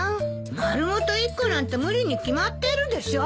丸ごと１個なんて無理に決まってるでしょ？